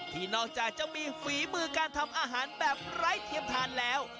ที่นอกจากจะมีฝีมือการทำอาหารแบบไร้เทียมทานแล้ว